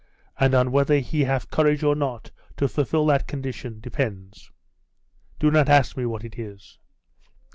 And on whether he have courage or not to fulfil that condition depends Do not ask me what it is.